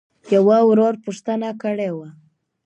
يــوه ورورپوښـتـنــه کــړېــوه.؟